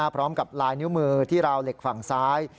พร้อมกับลายนิ้วมือที่ราวเหล็กฝั่งซ้าย